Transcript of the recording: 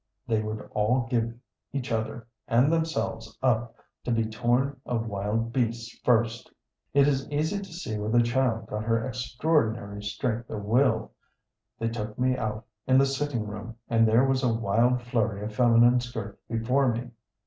They would all give each other and themselves up to be torn of wild beasts first. It is easy to see where the child got her extraordinary strength of will. They took me out in the sitting room, and there was a wild flurry of feminine skirts before me.